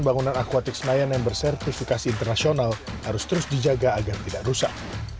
bangunan aquatic senayan yang bersertifikasi internasional harus terus dijaga agar tidak rusak